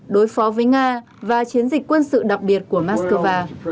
đối phó với nga và chiến dịch quân sự đặc biệt của moscow